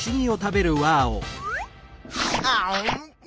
あん。